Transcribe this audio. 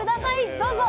どうぞ。